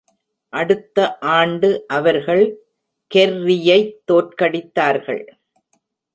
அடுத்த ஆண்டு, அவர்கள் கெர்ரியைத் தோற்கடித்தார்கள்.